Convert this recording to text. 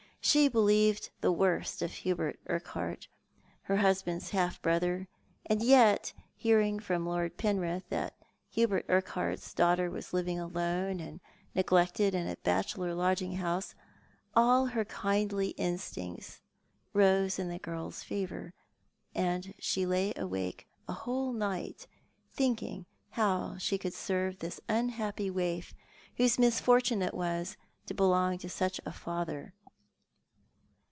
She believed the worst of Hubert Urquhart, her husband's half brother; and yet, hearing from Lord Penrith that Hubert Urquhart's daughter was living alone and neglected in a bachelor lodgiug houoc, all her kindly instincts rose in the girl's favour, and she lay awake a whole night thinking how she could serve this unhappy waif, whose misfortune it was to belong to such a father.